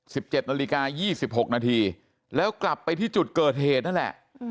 สิบเจ็ดนาฬิกายี่สิบหกนาทีแล้วกลับไปที่จุดเกิดเหตุนั่นแหละ